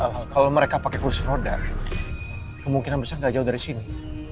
kalau mereka pakai kursi roda kemungkinan besar nggak jauh dari sini